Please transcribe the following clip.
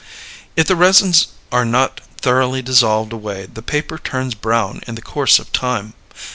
If the resins are not thoroughly dissolved away the paper turns brown in the course of time.